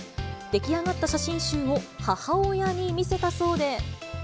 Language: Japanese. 出来上がった写真集を母親に見せたそうで。